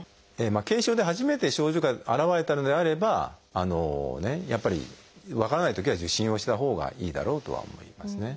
軽症で初めて症状が現れたのであればやっぱり分からないときは受診をしたほうがいいだろうとは思いますね。